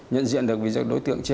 nhận diện được vì đối tượng che